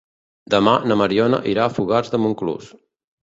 Demà na Mariona irà a Fogars de Montclús.